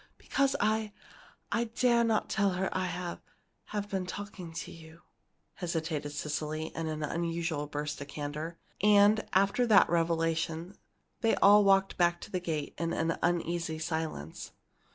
"Because I I dare not tell her I have have been talking to you!" hesitated Cecily, in an unusual burst of candor. And after that revelation they all walked back to the gate in an uneasy silence.